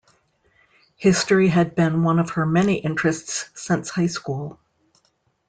History had been one of her many interests since high school.